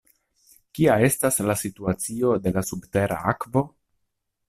Kia estas la situacio de la subtera akvo?